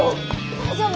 大丈夫？